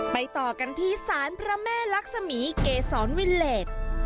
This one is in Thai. ต่อกันที่ศาลพระแม่ลักษมีเกษรวิลเลส